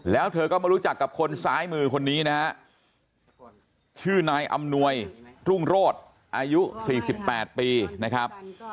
แล้วเธอก็มารู้จักกับคนซ้ายมือคนนี้นะฮะชื่อนายอำนวยรุ่งโรศอายุ๔๘ปีนะครับ